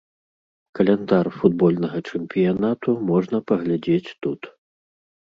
Каляндар футбольнага чэмпіянату можна паглядзець тут.